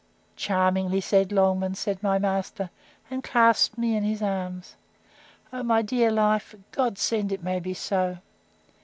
Charmingly said, Longman! said my master, and clasped me in his arms: O, my dear life! God send it may be so!